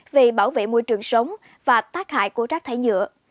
về bảo vệ môi trường sống và tác hại của rác thải nhựa